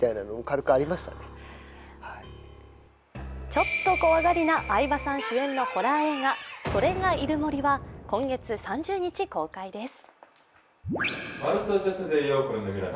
ちょっと怖がりな相葉さん主演のホラー映画、「“それ”がいる森」は今月３０日公開です。